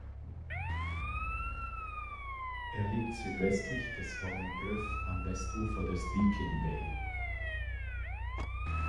Er liegt südwestlich des Horn Bluff am Westufer der Deakin Bay.